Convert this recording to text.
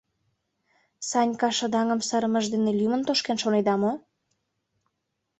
Санька шыдаҥым сырымыже дене лӱмын тошкен шонеда мо?..